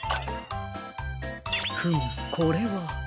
フムこれは。